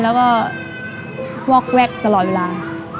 แล้วก็วอกแวกตลอดเวลา